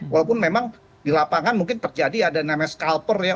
walaupun memang di lapangan mungkin terjadi ada nama scalper ya